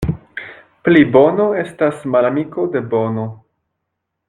Plibono estas malamiko de bono.